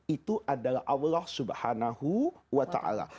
itu adalah allah subhanahu wa ta'ala